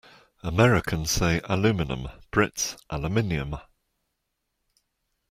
Americans say aluminum, Brits aluminium